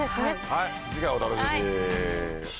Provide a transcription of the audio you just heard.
はい次回お楽しみに。